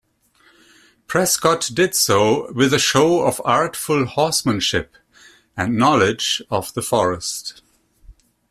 Prescott did so with a show of artful horsemanship and knowledge of the forest.